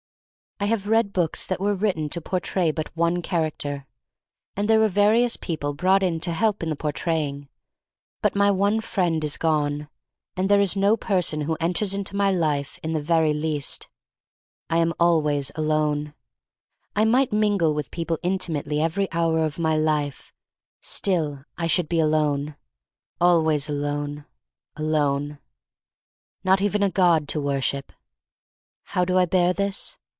I have read books that were written to portray but one character, and there were various people brought in to help in the portraying. But my one friend is gone, and there is no person who enters into my inner life in the very least. I am always alone. I might mingle with people intimately every hour of my life — still I should be alone. Always alone— alone. Not even a God to worship. How do I bear this?